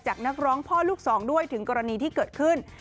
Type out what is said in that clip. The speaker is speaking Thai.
นักร้องพ่อลูกสองด้วยถึงกรณีที่เกิดขึ้น